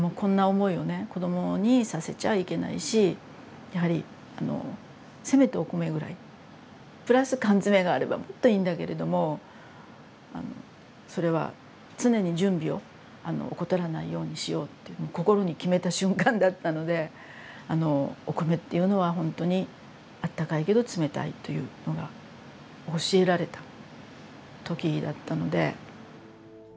子どもにさせちゃいけないしやはりせめてお米ぐらいプラス缶詰があればもっといいんだけれどもそれは常に準備を怠らないようにしようって心に決めた瞬間だったのでお米っていうのはほんとにあったかいけど冷たいというのが教えられた時だったので。